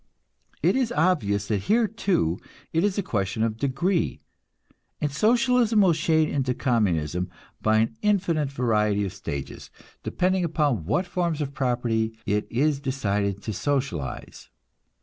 It is obvious that here, too, it is a question of degree, and Socialism will shade into Communism by an infinite variety of stages, depending upon what forms of property it is decided to socialize.